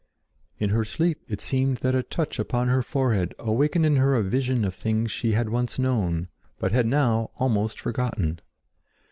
In her sleep it seemed that a touch upon her forehead awakened in her a vision of things she once had known, but had now almost forgotten.